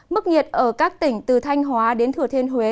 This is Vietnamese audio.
mức nhiệt ở các tỉnh từ thanh hóa đến thừa thiên huế